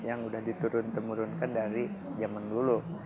yang udah diturun temurunkan dari zaman dulu